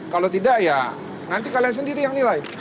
kalau tidak ya nanti kalian sendiri yang nilai